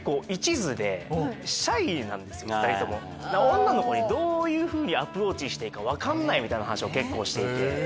女の子にどういうアプローチしていいか分かんない！みたいな話を結構していて。